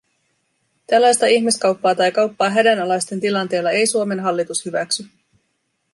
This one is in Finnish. Tällaista ihmiskauppaa tai kauppaa hädänalaisten tilanteella ei Suomen hallitus hyväksy.